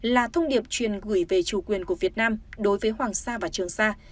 là thông điệp truyền gửi về chủ quyền của việt nam đối với hoàng sa và trường sa